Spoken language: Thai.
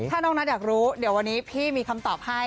ถ้าน้องนัทอยากรู้เดี๋ยววันนี้พี่มีคำตอบให้